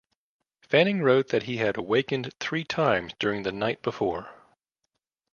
Fanning wrote that he had awakened three times during the night before.